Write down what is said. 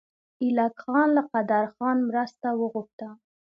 ایلک خان له قدرخان مرسته وغوښته.